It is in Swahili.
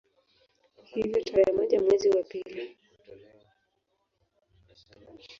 Hivyo tarehe moja mwezi wa pili